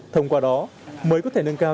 thông qua đó mới có thể nâng cao